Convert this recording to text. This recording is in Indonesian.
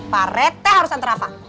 pak rt harus nganter rafa